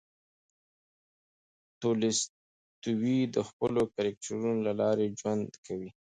تولستوی د خپلو کرکټرونو له لارې ژوند کوي.